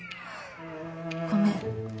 ごめん。